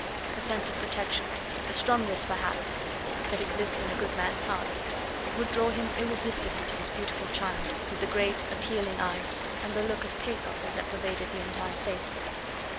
The sense of protection the strongest perhaps that exists in a good man's heart would draw him irresistibly to this beautiful child, with the great, appealing eyes, and the look of pathos that pervaded the entire face.